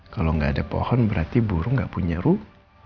kalau gak ada pohon berarti burung gak punya ruh